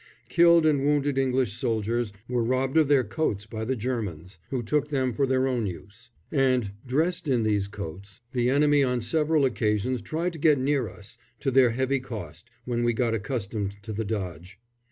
Killed and wounded English soldiers were robbed of their coats by the Germans, who took them for their own use; and dressed in these coats the enemy on several occasions tried to get near us, to their heavy cost, when we got accustomed to the dodge.